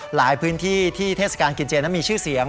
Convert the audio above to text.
หลายพื้นที่ที่เทศกาลกินเจนั้นมีชื่อเสียง